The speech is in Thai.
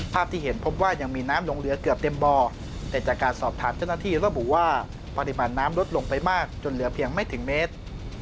ที่เห็นพบว่ายังมีน้ำลงเหลือเกือบเต็มบ่อแต่จากการสอบถามเจ้าหน้าที่ระบุว่าปริมาณน้ำลดลงไปมากจนเหลือเพียงไม่ถึงเมตร